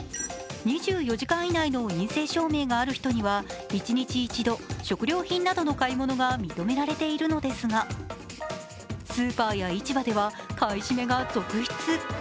２４時間以内の陰性証明がある人には一日１度食料品などの買い物が認められているのですが、スーパーや市場では買い占めが続出。